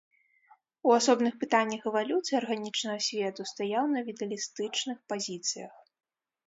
У асобных пытаннях эвалюцыі арганічнага свету стаяў на віталістычных пазіцыях.